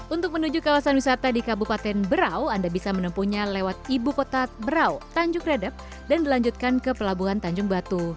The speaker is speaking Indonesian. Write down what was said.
untuk menuju kawasan wisata di kabupaten berau anda bisa menempuhnya lewat ibu kota berau tanjung redep dan dilanjutkan ke pelabuhan tanjung batu